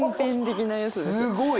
すごい。